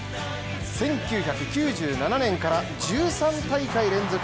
１９９７年から１３大会連続。